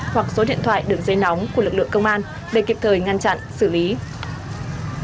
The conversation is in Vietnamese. hoặc số điện thoại đường dây nóng của lực lượng công an để kịp thời ngăn chặn xử lý